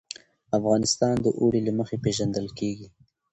افغانستان د اوړي له مخې پېژندل کېږي.